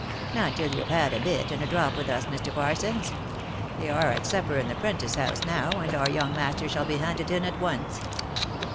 " Not till you have had a bit, and a drop with us, Mr. Parsons. They are at supper in the Prentice house now, and our young master shall be handed in at once."